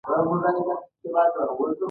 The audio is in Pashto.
پښتو لیکدود زده کول اړین دي.